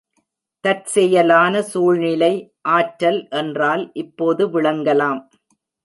தற்செயலான சூழ்நிலை ஆற்றல் என்றால் இப்போது விளங்கலாம்.